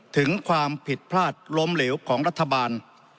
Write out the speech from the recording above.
ถึงความผิดพลาดล้มเหลวของรัฐบาล